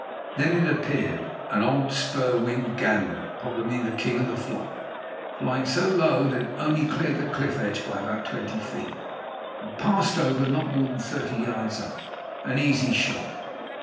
Then it appeared, an old spur winged gander, probably the king of the flock, flying so low that it only cleared the cliff edge by about twenty feet, and passed over not more than thirty yards up, an easy shot.